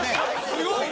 すごい！